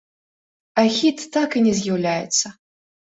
А хіт так і не з'яўляецца.